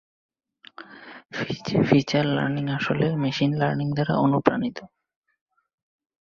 Feature learning আসলে machine learning এর দ্বারা অনুপ্রাণিত।